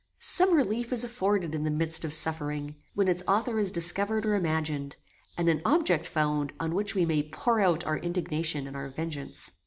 Some relief is afforded in the midst of suffering, when its author is discovered or imagined; and an object found on which we may pour out our indignation and our vengeance.